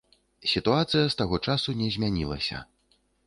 Сітуацыя з таго часу не змянілася.